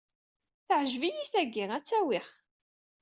Teɛǧeb-iyi tagi. Ad tt-awiɣ.